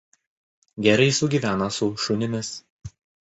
Gerai sugyvena su šunimis.